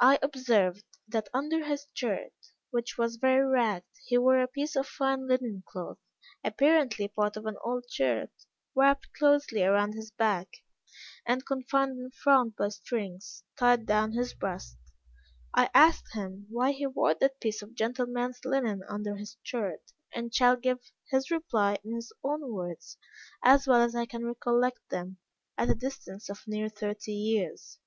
I observed that under his shirt, which was very ragged, he wore a piece of fine linen cloth, apparently part of an old shirt, wrapped closely round his back, and confined in front by strings, tied down his breast. I asked him why he wore that piece of gentleman's linen under his shirt, and shall give his reply in his own words as well as I can recollect them, at a distance of near thirty years.